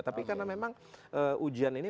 tapi karena memang ujian ini